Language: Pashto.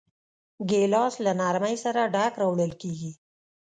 ګیلاس له نرمۍ سره ډک راوړل کېږي.